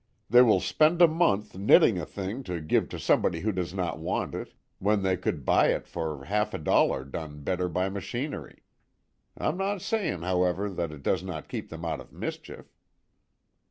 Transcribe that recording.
They will spend a month knitting a thing to give to somebody who does not want it, when they could buy it for half a dollar done better by machinery. I'm no saying, however, that it does not keep them out of mischief."